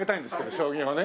将棋をね。